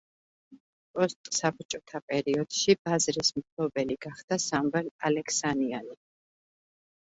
პოსტსაბჭოთა პერიოდში, ბაზრის მფლობელი გახდა სამველ ალექსანიანი.